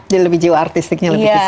jadi lebih jiwa artistiknya lebih disukai